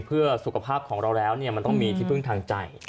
เพื่อสุขภาพของเราแล้วมันต้องมีที่พึ่งทางใจ